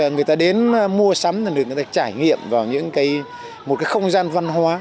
người ta đến mua sắm để trải nghiệm vào một không gian văn hóa